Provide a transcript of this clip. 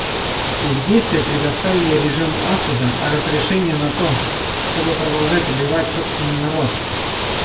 Их действия предоставили режиму Асада разрешение на то, чтобы продолжать убивать собственный народ.